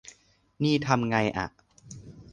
นี่ทำไงอะ